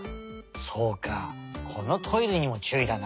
そうかこのトイレにもちゅういだな。